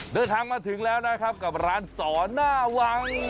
เดินทางมาถึงแล้วนะครับกับร้านสอนหน้าวัง